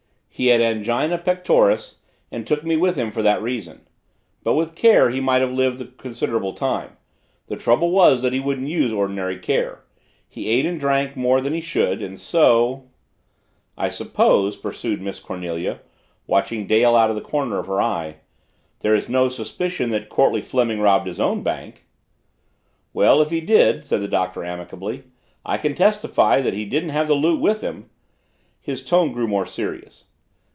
He had angina pectoris and took me with him for that reason. But with care he might have lived a considerable time. The trouble was that he wouldn't use ordinary care. He ate and drank more than he should, and so " "I suppose," pursued Miss Cornelia, watching Dale out of the corner of her eye, "that there is no suspicion that Courtleigh Fleming robbed his own bank?" "Well, if he did," said the Doctor amicably, "I can testify that he didn't have the loot with him." His tone grew more serious.